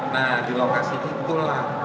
nah di lokasi itulah